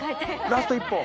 ラスト１本。